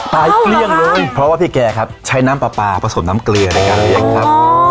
เกลี้ยงเลยเพราะว่าพี่แกครับใช้น้ำปลาปลาผสมน้ำเกลือในการเลี้ยงครับ